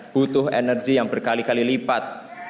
butuh energi yang berkali kali lipat